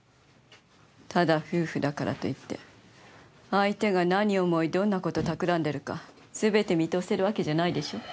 ただ夫婦だからといって相手が何を思いどんな事を企んでるかすべて見通せるわけじゃないでしょ？